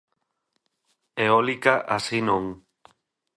Eólica así non!